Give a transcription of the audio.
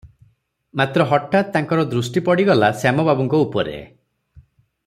ମାତ୍ର ହଠାତ୍ ତାଙ୍କର ଦୃଷ୍ଟି ପଡ଼ିଗଲା ଶ୍ୟାମବାବୁଙ୍କ ଉପରେ ।